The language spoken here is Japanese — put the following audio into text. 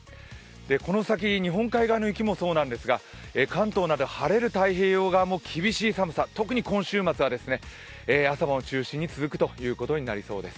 この先、日本海側の雪もそうなんですが、関東など晴れる太平洋側も厳しい寒さ、特に今週末は朝晩を中心に続くということになりそうです。